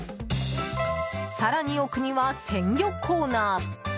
更に奥には鮮魚コーナー。